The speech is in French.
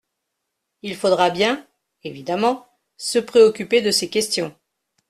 Il faudra bien, évidemment, se préoccuper de ces questions.